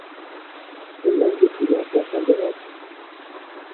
C'est l'un des plus grands serpents d'Europe.